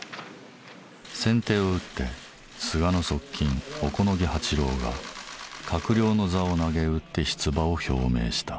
先手を打って菅の側近小此木八郎が閣僚の座をなげうって出馬を表明した。